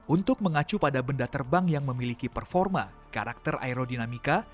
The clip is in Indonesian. untuk mengacu pada benda terbang yang memiliki performa karakter aerodinamika